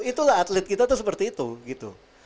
itulah atlet kita tuh seperti itu gitu